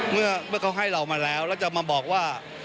เมื่อเขาให้เรามาแล้วแล้วจะมาบอกว่า